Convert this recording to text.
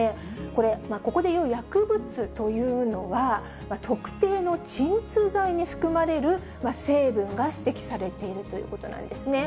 これ、ここでいう薬物というのは、特定の鎮痛剤に含まれる成分が指摘されているということなんですね。